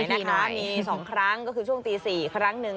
นะคะมี๒ครั้งก็คือช่วงตี๔ครั้งหนึ่ง